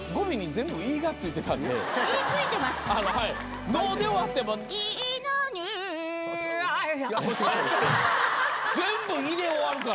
全部「い」で終わるから。